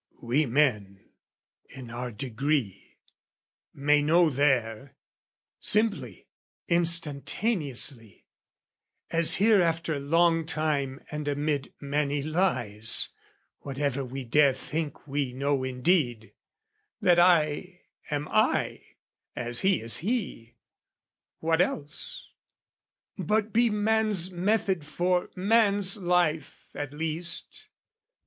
We men, in our degree, may know There, simply, instantaneously, as here After long time and amid many lies, Whatever we dare think we know indeed That I am I, as He is He, what else? But be man's method for man's life at least!